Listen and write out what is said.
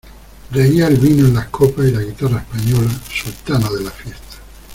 reía el vino en las copas, y la guitarra española , sultana de la fiesta